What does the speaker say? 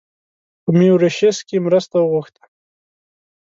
په میوریشیس کې مرسته وغوښته.